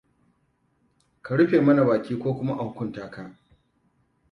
Ka rufe mana baki, ko kuma a hukunta ka.